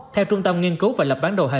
theo trung tâm nghiên cứu và lập bán đồ hệ